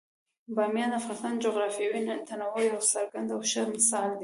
بامیان د افغانستان د جغرافیوي تنوع یو څرګند او ښه مثال دی.